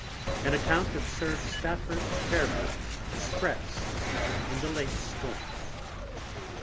An Account of Sir Stafford Fairborne_'s Distress in the late Storm_.